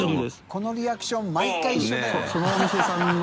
このリアクション毎回一緒だよね